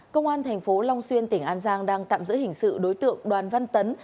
công an thành phố long xuyên tỉnh an giang đang tạm giữ hình sự đối tượng đoàn văn tấn